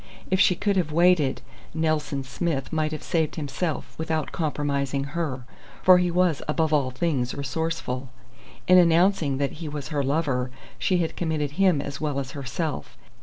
If she could have waited, "Nelson Smith" might have saved himself without compromising her, for he was above all things resourceful. In announcing that he was her "lover," she had committed him as well as herself.